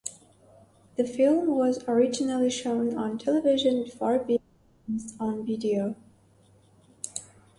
The film was originally shown on television before being released on video.